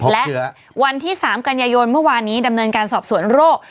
และวันที่๓กันยายนเมื่อวานนี้ดำเนินการสอบสวนโรค